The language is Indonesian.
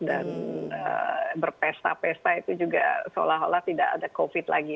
dan berpesta pesta itu juga seolah olah tidak ada covid lagi